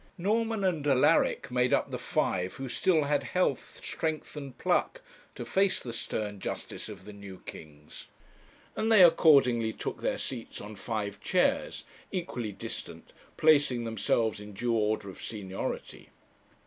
Norman and Alaric made up the five who still had health, strength, and pluck to face the stern justice of the new kings; and they accordingly took their seats on five chairs, equally distant, placing themselves in due order of seniority.